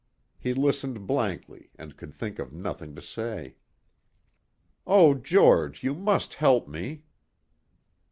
He listened blankly and could think of nothing to say. "Oh George, you must help me."